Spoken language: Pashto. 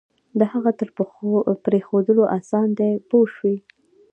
د هغه تر پرېښودلو آسان دی پوه شوې!.